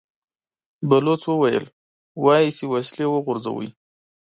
بلوڅ وويل: وايي چې وسلې وغورځوئ!